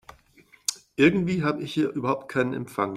Irgendwie habe ich hier überhaupt keinen Empfang.